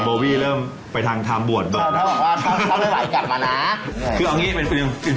มีหน้าขาดใหญ่